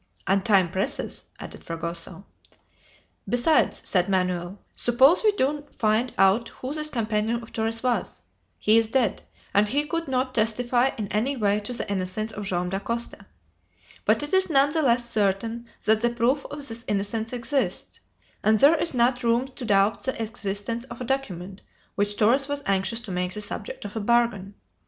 "And time presses!" added Fragoso. "Besides," said Manoel, "suppose we do find out who this companion of Torres was, he is dead, and he could not testify in any way to the innocence of Joam Dacosta. But it is none the less certain that the proof of this innocence exists, and there is not room to doubt the existence of a document which Torres was anxious to make the subject of a bargain.